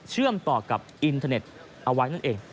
เชื่อมต่อกับอินเทอร์เน็ตเอาไว้นั่นเอง